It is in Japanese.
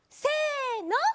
せの！